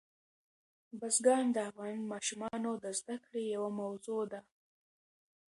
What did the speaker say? بزګان د افغان ماشومانو د زده کړې یوه موضوع ده.